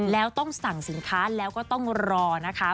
แล้วต้องสั่งสินค้าแล้วก็ต้องรอนะคะ